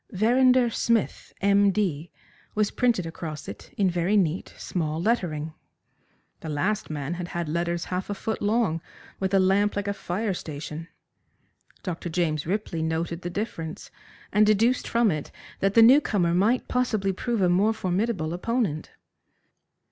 "Verrinder Smith, M. D.," was printed across it in very neat, small lettering. The last man had had letters half a foot long, with a lamp like a fire station. Dr. James Ripley noted the difference, and deduced from it that the new comer might possibly prove a more formidable opponent.